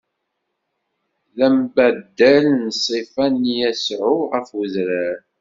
D ambaddal n ṣṣifa n Yasuɛ ɣef udrar.